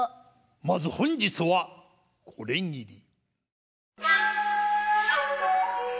まず本日はこれぎり。